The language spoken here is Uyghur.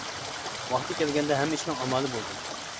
ۋاقتى كەلگەندە ھەممە ئىشنىڭ ئامالى بولىدۇ.